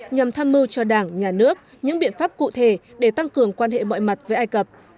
nhằm tham mưu cho đảng nhà nước những biện pháp cụ thể để tăng cường quan hệ mọi mặt với ai cập